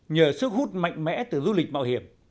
nhờ sức hút mạnh mẽ từ du lịch mạo hiểm